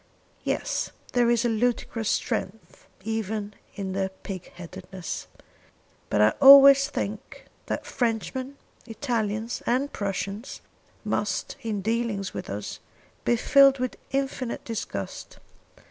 "Yes; there is a ludicrous strength even in their pig headedness. But I always think that Frenchmen, Italians, and Prussians must in dealing with us, be filled with infinite disgust.